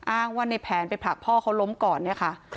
อ้างว่าในแผนไปผลักพ่อเขาล้มก่อนเนี่ยค่ะ